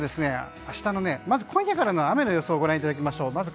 まず、今夜の雨の状況をご覧いただきましょう。